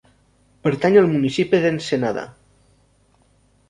Pertany al municipi d'Ensenada.